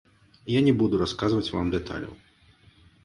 Я не буду расказваць вам дэталяў.